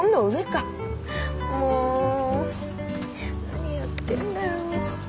何やってんだよ。